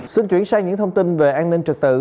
xin chuyển sang những thông tin về an ninh trật tự